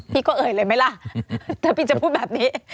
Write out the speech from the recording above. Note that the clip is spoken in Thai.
พี่ก็เอ่ยเลยไหมล่ะถ้าพี่จะพูดแบบนี้